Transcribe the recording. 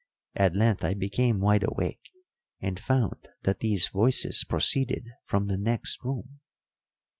At length I became wide awake, and found that these voices proceeded from the next room.